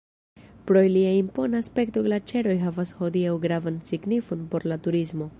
Pro ilia impona aspekto glaĉeroj havas hodiaŭ gravan signifon por la turismo.